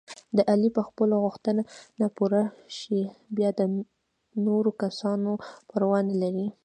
د علي چې خپلې غوښتنې پوره شي، بیا د نورو کسانو پروا نه لري.